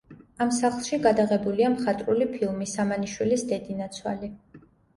ამ სახლში გადაღებულია მხატვრული ფილმი სამანიშვილის დედინაცვალი.